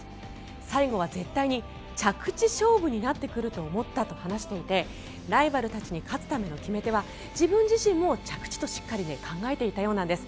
最後は絶対に着地勝負になってくると思ったと話していてライバルたちに勝つための決め手は自分自身も着地としっかり考えていたようなんです。